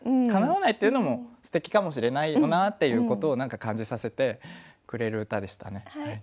かなわないっていうのもすてきかもしれないよなっていうことを何か感じさせてくれる歌でしたね。